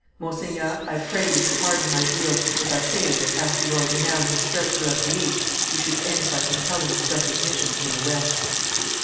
Monseigneur, I pray you to pardon my zeal, if I say that, after your renown has spread throughout the East, you should end by compelling its recognition in the West.